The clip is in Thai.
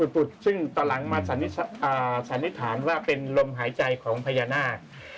ซึ่งตอนหลังมาสันนิษฐานว่าเป็นลมหายใจของพญานาค